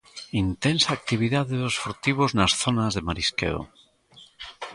Intensa actividade dos furtivos nas zonas de marisqueo.